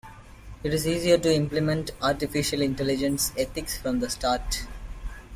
It is easier to implement Artificial Intelligence ethics from the start.